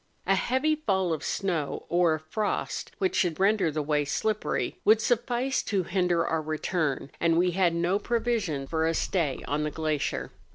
A heavy fall of snow, or a frost which should render the way slippery, would suffice to hinder our retura, and we had no provision for a stay on the glacier.